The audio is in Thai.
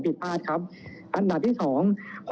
พี่สาดน้ำใส่ผู้ต้องขาดที่เขาสลบไปแล้วล่ะค่ะ